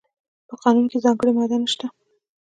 په قانون کې ځانګړې ماده نشته.